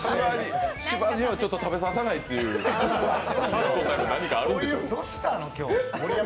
芝にはちょっと食べささないという確固たるものがあるんでしょう。